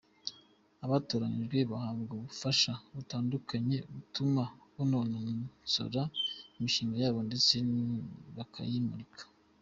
Abatoranyijwe bahabwa ubufasha butandukanye butuma banonosora imishinga yabo ndetse bakayimurika.